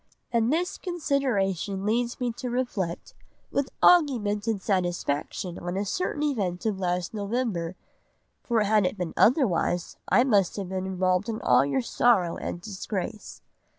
And this consideration leads me to reflect, with augmented satisfaction on a certain event of last November, for had it been otherwise I must have been involved in all your sorrow and disgrace.